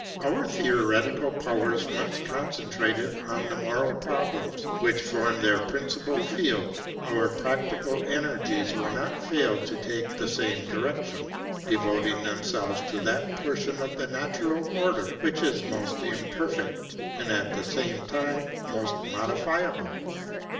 Our theoretical powers once concentrated on the moral problems which form their principal field, our practical energies will not fail to take the same direction, devoting themselves to that portion of the natural Order which is most imperfect, and at the time most modifiable.